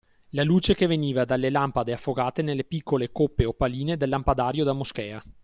La luce che veniva dalle lampade affogate nelle piccole coppe opaline del lampadario da moschea